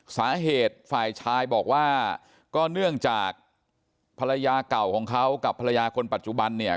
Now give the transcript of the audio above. สาเหตุฝ่ายชายบอกว่าก็เนื่องจากภรรยาเก่าของเขากับภรรยาคนปัจจุบันเนี่ย